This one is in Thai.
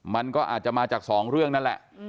มันก็อาจจะมาจากสองเรื่องนั่นแหละ